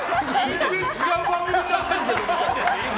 全然違う番組になってるけどって。